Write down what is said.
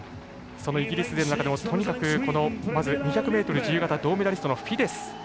そのイギリス勢の中でもとにかく２００ｍ自由形銅メダリストのフィデス。